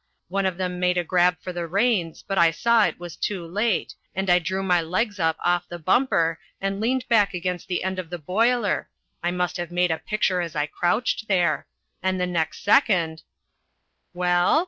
One of them made a grab for the reins, but I saw it was too late, and I drew my legs up off the bumper and leaned back against the end of the boiler (I must have made a picture as I crouched there); and the next second " "Well?"